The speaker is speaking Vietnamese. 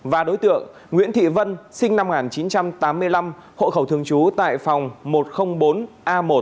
và đối tượng nguyễn thị vân sinh năm một nghìn chín trăm tám mươi năm hộ khẩu thường trú tại phòng một trăm linh bốn a một